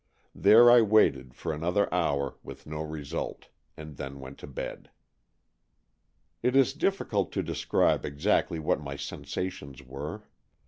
There I waited for another hour with no result, and then went to bed. It is difficult to describe exactly what my sensations were.